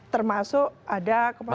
termasuk ada kemuliaan